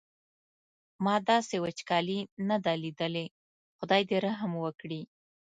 ما داسې وچکالي نه ده لیدلې خدای دې رحم وکړي.